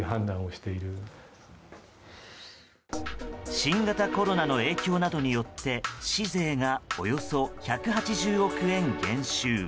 新型コロナの影響などによって市税がおよそ１８０億円減収。